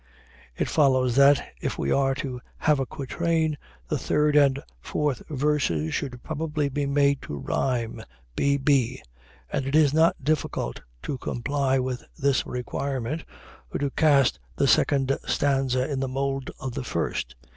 It follows that, if we are to have a quatrain, the third and fourth verses should probably be made to rhyme (b, b), and it is not difficult to comply with this requirement, or to cast the second stanza in the mold of the first.